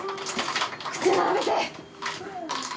靴並べて！